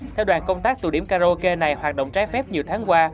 theo đoàn công tác tụ điểm karaoke này hoạt động trái phép nhiều tháng qua